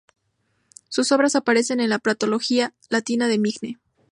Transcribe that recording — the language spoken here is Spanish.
Sus obras aparecen en la "Patrología Latina" de Migne.